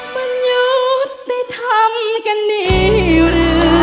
มันหยุดต้องทำกันนี้หรือ